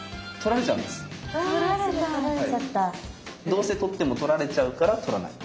どうせ取っても取られちゃうから取らない。